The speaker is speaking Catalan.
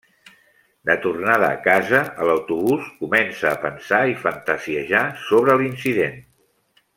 De tornada a casa a l'autobús comença a pensar i fantasiejar sobre l'incident.